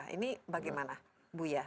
ini bagaimana bu ya